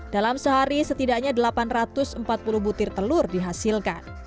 dalam sehari setidaknya delapan ratus empat puluh butir telur dihasilkan